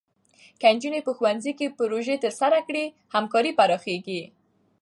که نجونې په ښوونځي کې پروژې ترسره کړي، همکاري پراخېږي.